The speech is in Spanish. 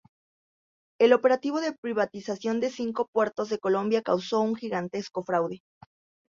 El operativo de privatización de cinco puertos de Colombia causó un gigantesco fraude.